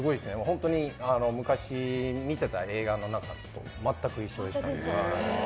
本当に昔に見てた映画と全く一緒でしたね。